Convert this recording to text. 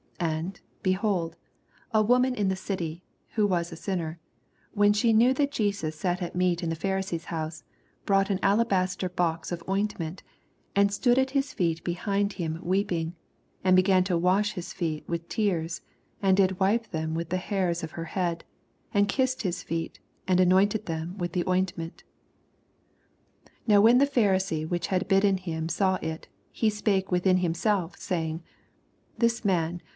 87 And. behold, a woman in the city, whicn was a sinner, when she knew that Jenu sat at meat in the Pharisee's house, brought an alabas ter box of ointment, 88 And stood at his feet behind him weeping, and began to wash his feet with tears, and did wipe them with the hairs of her head, and kissed his feet, and anointed them with the ointment. 89 Now when the Pharisee which had bidden him saw U, he spake with in himself, saying. This man.